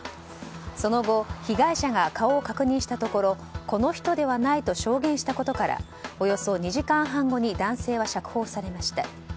その後被害者が顔を確認したところこの人ではないと証言したことからおよそ２時間半後に男性は釈放されました。